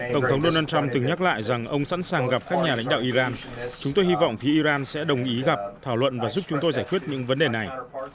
tổng thống donald trump từng nhắc lại rằng ông sẵn sàng gặp các nhà lãnh đạo iran chúng tôi hy vọng phía iran sẽ đồng ý gặp thảo luận và giúp chúng tôi giải quyết những vấn đề này